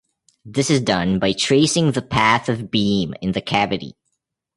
This is done by tracing the path of beam in the cavity.